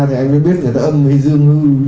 thì anh mới biết người ta âm hay dương hư